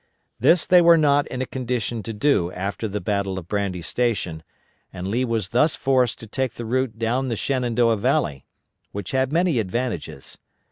This they were not in a condition to do after the battle of Brandy Station, and Lee was thus forced to take the route down the Shenandoah Valley, which had many advantages.